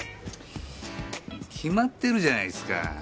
決まってるじゃないすか。